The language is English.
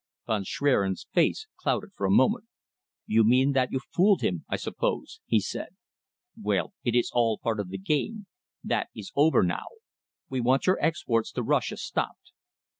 Von Schwerin's face clouded for a moment. "You mean that you fooled him, I suppose," he said. "Well, it is all part of the game. That is over now. We want your exports to Russia stopped."